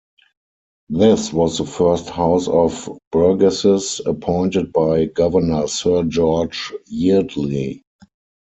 This was the first House of Burgesses appointed by Governor Sir George Yeardley.